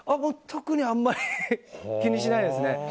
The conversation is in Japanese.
特にあんまり気にしないですね。